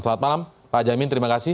selamat malam pak jamin terima kasih